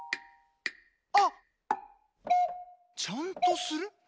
あ！ちゃんとする。